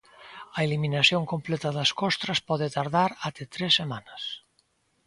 A eliminación completa das costras pode tardar até tres semanas.